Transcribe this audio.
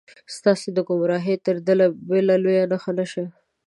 ستاسې د ګمراهۍ تر دې بله لویه نښه نه وي.